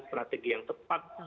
strategi yang tepat